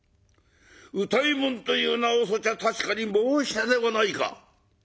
歌右衛門という名をそちは確かに申したではないか！